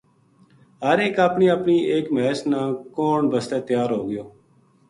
ہر ایک اپنی اپنی ایک مھیس نا کوہن بسطے تیار ہو گیو